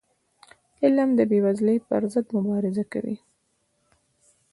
علم د بېوزلی پر ضد مبارزه کوي.